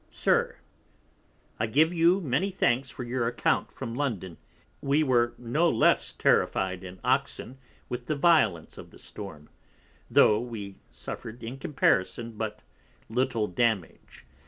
SIR, I give you many thanks for your account from London: We were no less terrified in Oxon with the Violence of the Storm, tho' we suffer'd in comparison but little Damage.